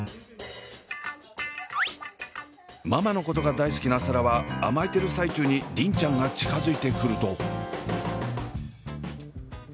ママのことが大好きな紗蘭は甘えてる最中に梨鈴ちゃんが近づいてくると。